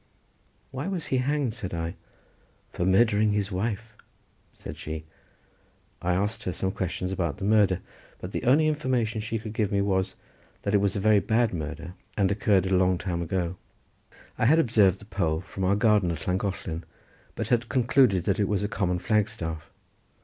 "Why was he hanged?" said I. "For murdering his wife," said she. I asked her some questions about the murder, but the only information she could give me was, that it was a very bad murder and occurred a long time ago. I had observed the pole from our garden at Llangollen, but had concluded that it was a common flagstaff.